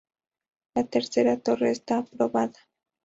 La tercera torre está aprobada.